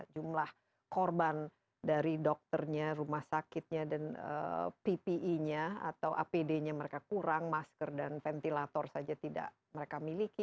jumlah korban dari dokternya rumah sakitnya dan ppe nya atau apd nya mereka kurang masker dan ventilator saja tidak mereka miliki